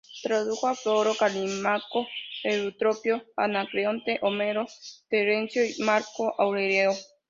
Tradujo a Floro, Calímaco, Eutropio, Anacreonte, Homero, Terencio y Marco Aurelio.